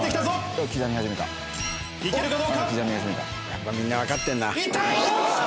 やっぱみんな分かってんな。